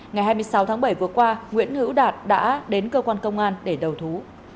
ngày hai mươi sáu tháng bảy vừa qua nguyễn hữu đạt đã đến cơ quan công an để đầu thú